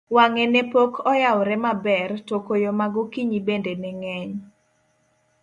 wang'e ne pok oyawre maber, to koyo ma gokinyi bende ne ng'eny